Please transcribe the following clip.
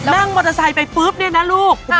เหรอ